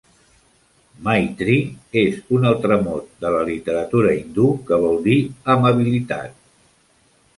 "Maitri" és un altre mot de la literatura hindú que vol dir "amabilitat".